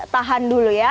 tahan dulu ya